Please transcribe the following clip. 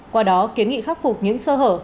qua đó kiến nghị khắc phục những sơ hở